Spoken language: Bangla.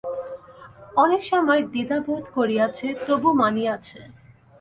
অনেক সময় দ্বিধা বোধ করিয়াছে, তবু মানিয়াছে।